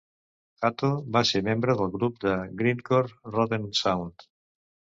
Hahto va ser membre del grup de grindcore Rotten Sound.